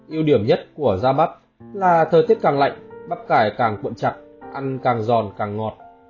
yêu điểm nhất của ra mắt là thời tiết càng lạnh bắp cải càng cuộn chặt ăn càng giòn càng ngọt